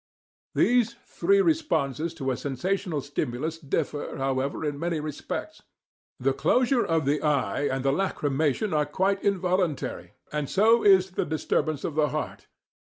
"These three responses to a sensational stimulus differ, however, in many respects. The closure of the eye and the lachrymation are quite involuntary, and so is the disturbance of the heart.